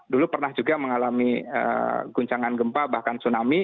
dulu pernah juga mengalami guncangan gempa bahkan tsunami